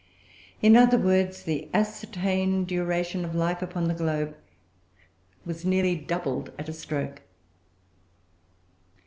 In other words, the ascertained duration of life upon the globe was nearly doubled at a stroke.